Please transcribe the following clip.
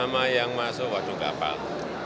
nama yang masuk warung kapal